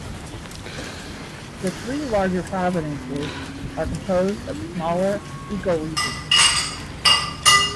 The three larger provinces are composed of smaller ecoregions.